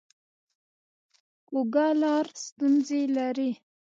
کوږه لار ستونزې لري